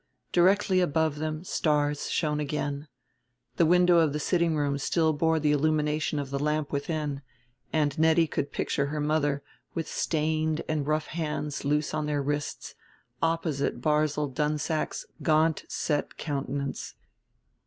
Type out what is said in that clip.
Directly above them stars shone again. The window of the sitting room still bore the illumination of the lamp within; and Nettie could picture her mother, with stained and rough hands loose on their wrists, opposite Barzil Dunsack's gaunt set countenance.